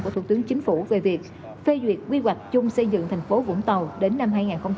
của thủ tướng chính phủ về việc phê duyệt quy hoạch chung xây dựng thành phố vũng tàu đến năm hai nghìn ba mươi